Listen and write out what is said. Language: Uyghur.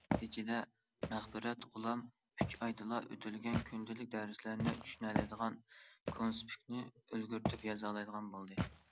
نەتىجىدە، مەغپىرەت غۇلام ئۈچ ئايدىلا، ئۆتۈلگەن كۈندىلىك دەرسلەرنى چۈشىنەلەيدىغان، كونسپىكنى ئۈلگۈرتۈپ يازالايدىغان بولدى.